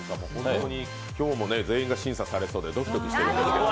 今日も全員が審査されそうでドキドキしてるんですけど。